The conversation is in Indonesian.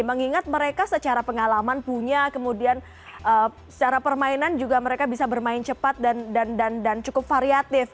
mengingat mereka secara pengalaman punya kemudian secara permainan juga mereka bisa bermain cepat dan cukup variatif